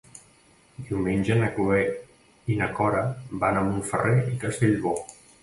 Diumenge na Cloè i na Cora van a Montferrer i Castellbò.